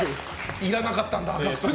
いらなかったんだ。